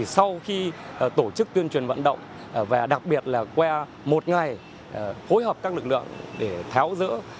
sau khi tổ chức tuyên truyền vận động và đặc biệt là qua một ngày hối hợp các lực lượng để tháo rỡ